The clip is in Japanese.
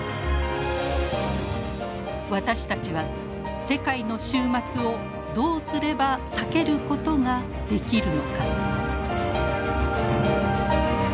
私たちは世界の終末をどうすれば避けることができるのか。